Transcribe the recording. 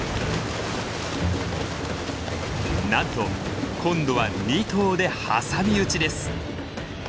なんと今度は２頭で挟み撃ちです。